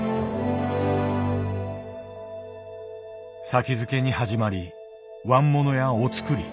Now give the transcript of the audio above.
先付けに始まり椀物やお造り